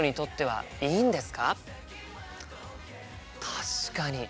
確かに。